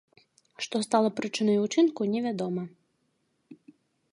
Што стала прычынай учынку, невядома.